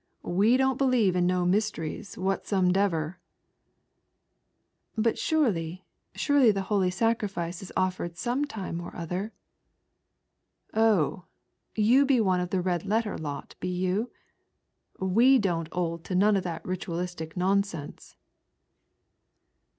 We don't beheve in no toysteries whataomdever !" "But surely, surely the Holy Sacrifice is offered j»me time or other ?"" Oh, you he one of the Red letter lot be you? fW^ don't 'old to none of that ritualistic nonsense."